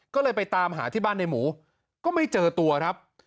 ก็เลยไปตามหาที่บ้านในหมูก็ไม่เจอตัวครับ